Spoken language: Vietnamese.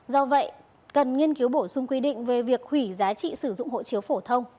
do vậy cần nghiên cứu bổ sung quy định về việc hủy giá trị sử dụng hộ chiếu phổ thông